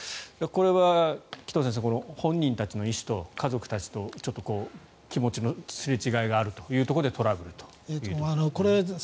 これは紀藤先生本人たちの意思と家族たちとちょっと気持ちのすれ違いがあるというところでトラブルというところもあるということですね。